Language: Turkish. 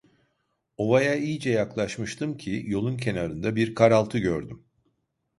Ovaya iyice yaklaşmıştım ki, yolun kenarında bir karaltı gördüm.